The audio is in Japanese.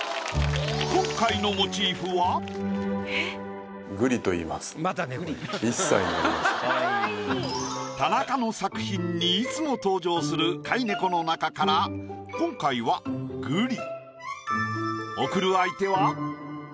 今回の田中の作品にいつも登場する飼い猫の中から今回はグリ。